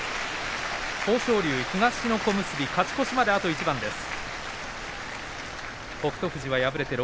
東の小結、勝ち越しまであと一番です。